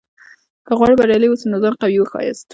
که غواړې بریالی واوسې؛ نو ځان قوي وښیاست!